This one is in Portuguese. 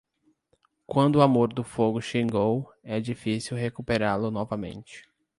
Quando o amor do fogo chegou, é difícil recuperá-lo novamente.